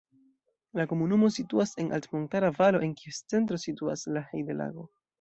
La komunumo situas en altmontara valo en kies centro situas la Heide-Lago.